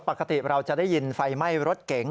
ปกติเราจะได้ยินไฟไหม้รถเก๋ง